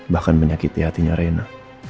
bahkan menyakiti hatinya reina